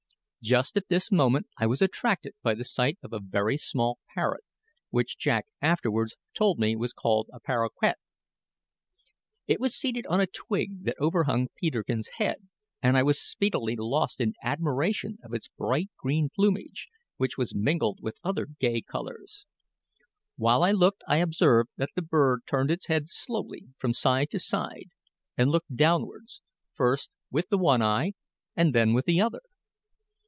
Just at that moment I was attracted by the sight of a very small parrot, which Jack afterwards told me was called a paroquet. It was seated on a twig that overhung Peterkin's head, and I was speedily lost in admiration of its bright green plumage, which was mingled with other gay colours. While I looked I observed that the bird turned its head slowly from side to side and looked downwards, first with the one eye and then with the other.